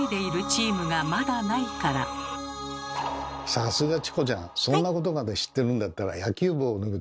さすがチコちゃん。